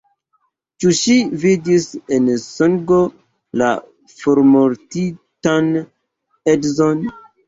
Ĉu ŝi vidis en sonĝo la formortintan edzon?